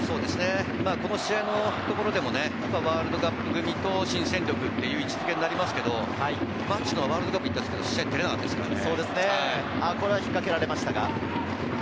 この試合のところでもワールドカップ組と新戦力という位置付けになりますけど、初のワールドカップに行ったけど試合に出られなかったですからね。